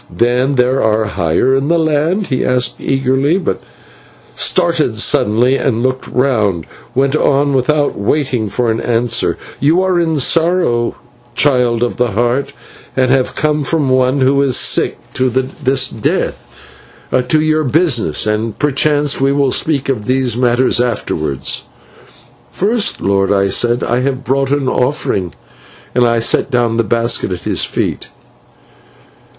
"'Then there are higher in the land?' he asked eagerly, but started suddenly, and, looking round, went on without waiting for an answer, 'You are in sorrow, Child of the Heart, and have come from one who was sick to the death; to your business, and perchance we will speak of these matters afterwards.' "'First, lord,' I said, 'I have brought an offering,' and I set down the basket at his feet.